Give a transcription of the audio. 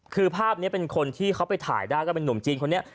คือภาพนี้เป็นคนที่เขาไปถ่ายได้ก็เป็นนุ่มจีนคนนี้